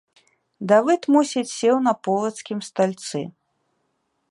Давыд мусіць сеў на полацкім стальцы.